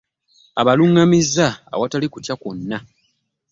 Abalungamizza awatali kutya kwonna